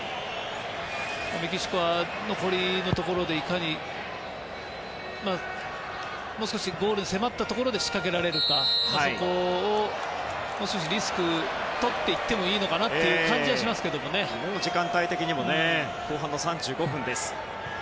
メキシコは残りのところでいかに、もう少しゴールに迫ったところで仕掛けられるかを少しリスクを取って行ってもいいのかなという時間帯的にも、もう後半３５分です。